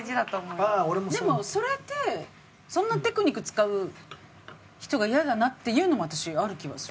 でもそれってそんなテクニック使う人がイヤだなっていうのも私ある気はする。